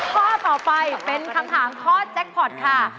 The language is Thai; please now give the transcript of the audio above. ข้อต่อไปเป็นคำถามข้อแจ็คพอร์ตค่ะ